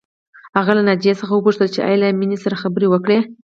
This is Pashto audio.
هغه له ناجیې څخه وپوښتل چې ایا له مينې سره خبرې وکړې